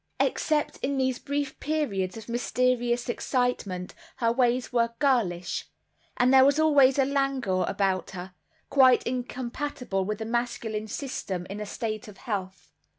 Except in these brief periods of mysterious excitement her ways were girlish; and there was always a languor about her, quite incompatible with a masculine system in a state of health.